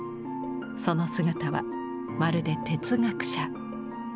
その姿はまるで哲学者。